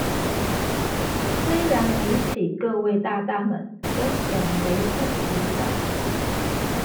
雖然比起各位大大們根本微不足道